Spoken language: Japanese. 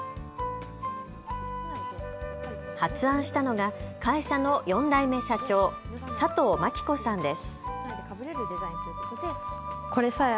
発案したのが会社の４代目社長、佐藤麻季子さんです。